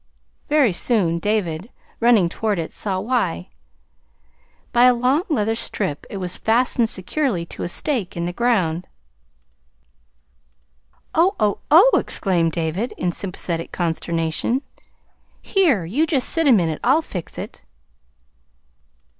Very soon David, running toward it, saw why. By a long leather strip it was fastened securely to a stake in the ground. "Oh, oh, oh!" exclaimed David, in sympathetic consternation. "Here, you just wait a minute. I'll fix it."